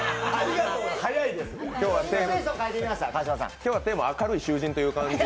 今日はテーマ、明るい囚人という感じで。